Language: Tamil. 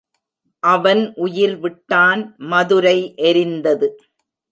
அவன் உயிர்விட்டான் மதுரை எரிந்தது.